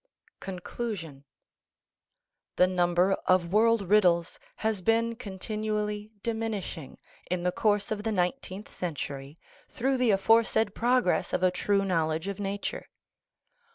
CONCLUSION number of world riddles has been continually diminishing in the course of the nineteenth century through the aforesaid progress of a true knowledge of nature.